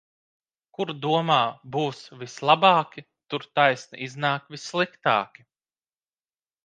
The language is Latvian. Kur domā būs vislabāki, tur taisni iznāk vissliktāki.